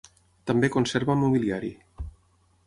També conserva mobiliari.